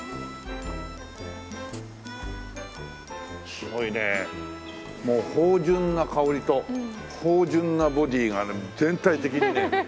すごいねもう芳醇な香りと芳醇なボディーが全体的にね。